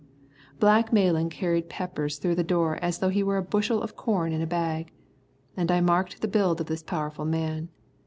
Black Malan carried Peppers through the door as though he were a bushel of corn in a bag, and I marked the build of this powerful man.